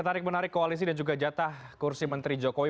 tarik menarik koalisi dan juga jatah kursi menteri jokowi